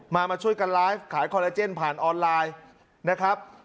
มามาช่วยกันไลฟ์ขายคอลลาเจนผ่านออนไลน์นะครับ